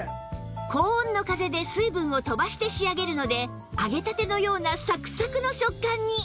高温の風で水分を飛ばして仕上げるので揚げたてのようなサクサクの食感に